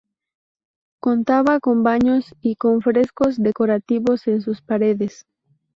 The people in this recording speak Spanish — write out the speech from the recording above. Contaba con baños y con frescos decorativos en sus paredes.